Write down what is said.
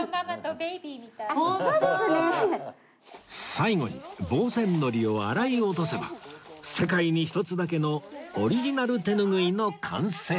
最後に防染糊を洗い落とせば世界に一つだけのオリジナル手ぬぐいの完成